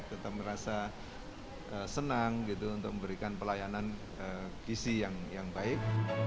tetap merasa senang gitu untuk memberikan pelayanan gizi yang baik